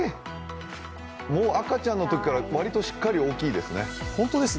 もう赤ちゃんのときから、割としっかり大きいですね。